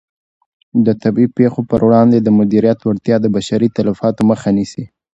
د طبیعي پېښو په وړاندې د مدیریت وړتیا د بشري تلفاتو مخه نیسي.